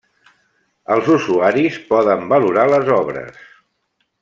Els usuaris poden valorar les obres.